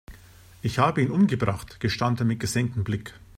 Ich habe ihn umgebracht, gestand er mit gesenktem Blick.